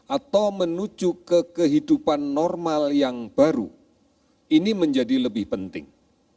atau menuju ke kehidupan normal yang baru ini menjadi lebih penting